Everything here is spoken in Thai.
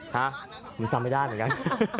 ฮะผมจำไม่ได้เหมือนกัน